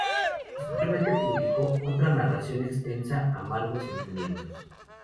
Posteriormente publicó otra narración extensa, "Amargos sentimientos".